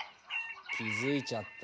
気付いちゃった？